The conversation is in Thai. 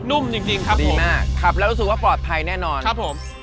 นุ่มจริงครับปีหน้าขับแล้วรู้สึกว่าปลอดภัยแน่นอนครับผม